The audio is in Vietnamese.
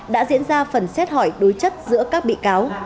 đã diễn ra phần xét hỏi đối chất giữa các bị cáo